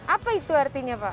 apa itu artinya pak